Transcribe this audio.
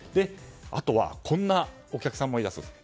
あとはこんなお客さんもいたそうです。